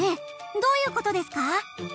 どういう事ですか？